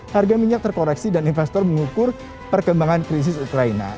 harga minyak terkoreksi dan investor mengukur perkembangan krisis ukraina